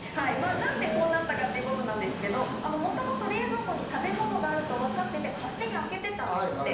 なんでこうなったかということなんですが、もともと冷蔵庫に食べ物があると分かっていて勝手に開けてたんですって。